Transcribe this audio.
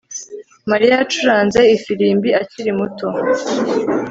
Mariya yacuranze ifirimbi akiri muto